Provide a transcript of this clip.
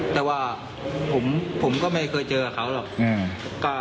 แต่ว่าผมก็ไม่เคยเจอกับเขาหรอก